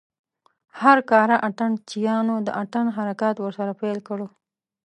هر کاره اتڼ چيانو د اتڼ حرکات ورسره پيل کړل.